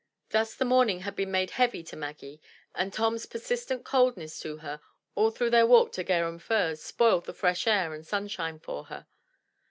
Thus the morning had been made heavy to Maggie, and Tom's persistent coldness to her all through their walk to Garum Firs 229 MY BOOK HOUSE spoiled the fresh air and sunshine for her.